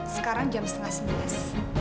sekarang jam setengah sembilan